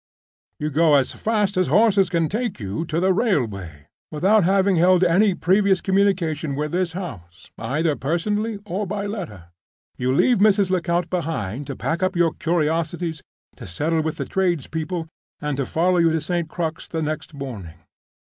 "You go as fast as horses can take you to the railway without having held any previous communication with this house, either personally or by letter. You leave Mrs. Lecount behind to pack up your curiosities, to settle with the tradespeople, and to follow you to St. Crux the next morning.